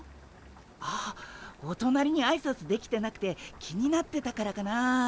ああおとなりにあいさつできてなくて気になってたからかなあ。